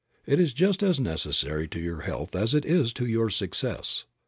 It is just as necessary to your health as it is to your success.